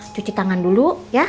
cuci tangan dulu ya